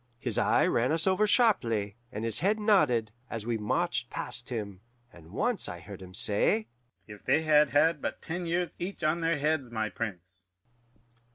His eye ran us over sharply, and his head nodded, as we marched past him; and once I heard him say, 'If they had had but ten years each on their heads, my Prince!